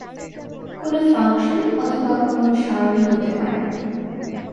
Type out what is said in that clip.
কোনো ফাংশন অথবা কোনো সারণী হতে পারে।